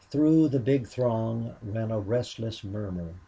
Through the big throng ran a restless murmur.